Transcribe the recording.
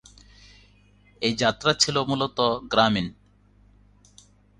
এই যাত্রা ছিল মূলত গ্রামীণ।